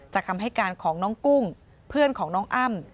คำให้การของน้องกุ้งเพื่อนของน้องอ้ำ